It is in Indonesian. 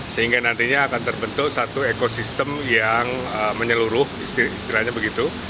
sehingga nantinya akan terbentuk satu ekosistem yang menyeluruh istilahnya begitu